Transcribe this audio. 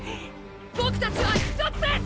ボクたちは一つです！